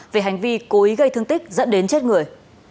về hành vi cố ý gây thương tích dẫn đến chết người